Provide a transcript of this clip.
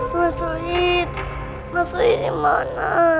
mas rit mas rit dimana